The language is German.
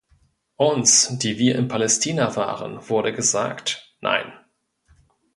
Uns, die wir in Palästina waren, wurde gesagt, nein!